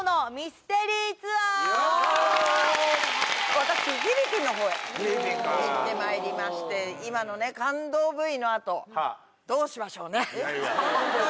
私フィリピンのほうへ行ってまいりまして今のね感動ＶＴＲの後どうしましょうね本当に。